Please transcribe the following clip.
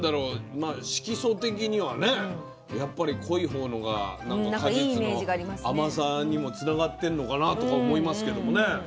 まあ色素的にはねやっぱり濃い方のが何か果実の甘さにもつながってんのかなとか思いますけどもね。